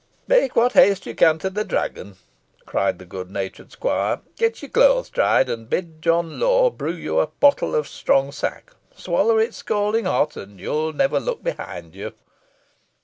"Make what haste you can to the Dragon," cried the good natured squire; "get your clothes dried, and bid John Lawe brew you a pottle of strong sack, swallow it scalding hot, and you'll never look behind you."